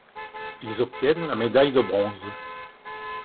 Ils obtiennent la médaille de bronze.